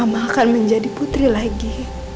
mama akan menjadi putri lagi